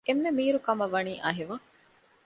އެންމެ މީރު ކަމަށް ވަނީ އަހިވައް